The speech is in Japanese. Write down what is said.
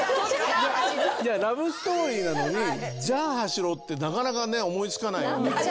ラブストーリーなのに「じゃ、走ろ」ってなかなかね思い付かないよね。